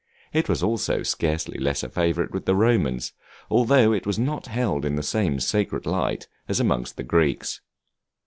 It was also scarcely less a favorite with the Romans, although it was not held in the same sacred light as amongst the Greeks.